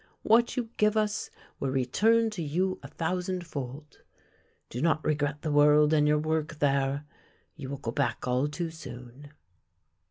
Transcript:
What you give us will return to you a thousandfold. Do not regret the world and your work there. You will go back all too soon."